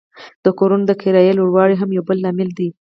د کورونو د کرایې لوړوالی هم یو بل لامل دی